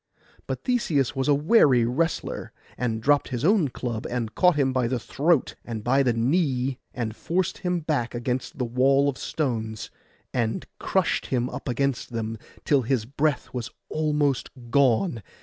But Theseus was a wary wrestler, and dropt his own club, and caught him by the throat and by the knee, and forced him back against the wall of stones, and crushed him up against them, till his breath was almost gone.